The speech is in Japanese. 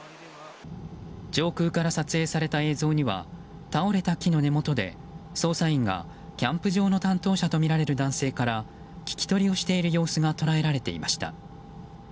上空から撮影された映像には倒れた木の根元で捜査員がキャンプ場の担当者とみられる男性から聞き取りをしている様子が捉えられていました。